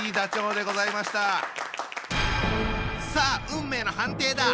さあ運命の判定だ！